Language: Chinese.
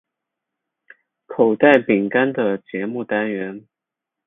口袋饼干的节目单元。